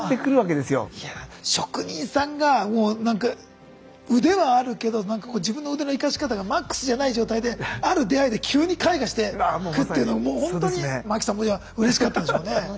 いや職人さんがもうなんか腕はあるけど自分の腕の生かし方がマックスじゃない状態である出会いで急に開花していくっていうのもうほんとに槇さんもじゃあうれしかったんでしょうね。